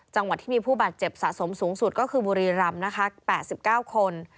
จังหวัดที่มีผู้บาดเจ็บสะสมสูงสุดก็คือบุรีรำนะคะ๘๙คน